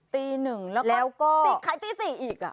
ตี๑แล้วก็ติดขายตี๔อีก